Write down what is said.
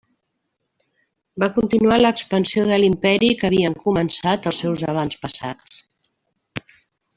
Va continuar l'expansió de l'imperi que havien començat els seus avantpassats.